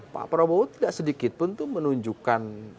pak prabowo tidak sedikit pun itu menunjukkan